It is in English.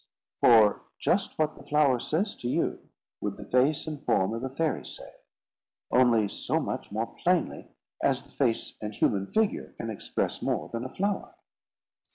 For just what the flower says to you, would the face and form of the fairy say; only so much more plainly as a face and human figure can express more than a flower.